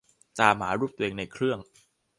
ตามหารูปตัวเองในเครื่อง